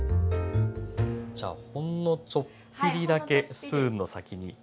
じゃあほんのちょっぴりだけスプーンの先に。